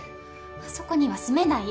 あそこには住めない。